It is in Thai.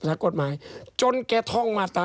หลวงพ่อกลับไม่ใช่ว่าไปดูถูก